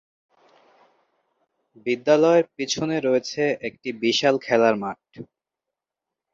বিদ্যালয়ের পিছনে রয়েছে একটি বিশাল খেলার মাঠ।